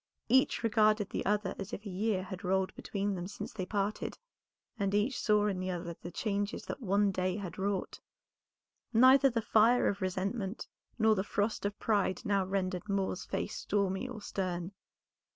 Each regarded the other as if a year had rolled between them since they parted, and each saw in the other the changes that one day had wrought. Neither the fire of resentment nor the frost of pride now rendered Moor's face stormy or stern.